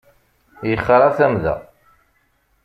Yexra tamda.